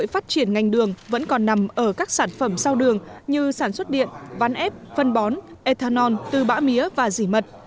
phát triển ngành đường vẫn còn nằm ở các sản phẩm sau đường như sản xuất điện ván ép phân bón ethanol tư bã mía và dỉ mật